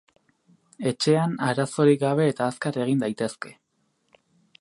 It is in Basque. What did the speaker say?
Etxean arazorik gabe eta azkar egin daitezke.